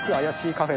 カフェ？